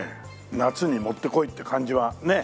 夏にもってこいって感じはねえ。